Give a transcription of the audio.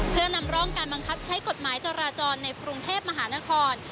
เพื่อนำร่องการบังคับใช้กฎหมายจราจรในกรุงเทพมหานคร